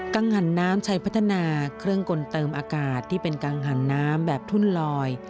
ังหันน้ำใช้พัฒนาเครื่องกลเติมอากาศที่เป็นกังหันน้ำแบบทุ่นลอย